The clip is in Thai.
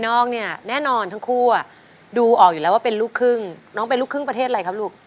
น้องเป็นลูกครึ่งประเทศอะไรครับลูก